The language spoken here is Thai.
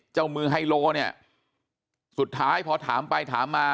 เจ้ามือไฮโลเนี่ยสุดท้ายพอถามไปถามมา